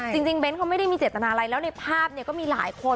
เบ้นเขาไม่ได้มีเจตนาอะไรแล้วในภาพเนี่ยก็มีหลายคน